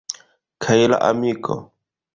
Kaj la amiko!